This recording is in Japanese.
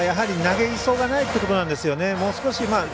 やはり投げ急がないということなんですよね。